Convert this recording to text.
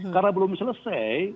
karena belum selesai